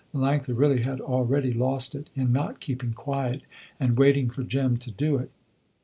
Melanctha really had already lost it, in not keeping quiet and waiting for Jem to do it.